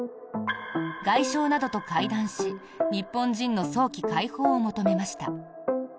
外相などと会談し日本人の早期解放を求めました。